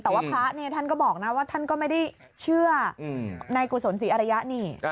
แต่ว่าพระท่านก็บอกนะว่าท่านก็ไม่ได้เชื่อในกุศลศรีอรยะนี่